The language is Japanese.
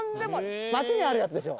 街にあるやつでしょ！